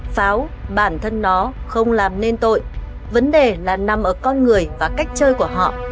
pháo bản thân nó không làm nên tội vấn đề là nằm ở con người và cách chơi của họ